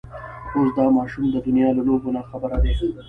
اوس دا ماشومه د دنيا له لوبو نه ناخبره ده.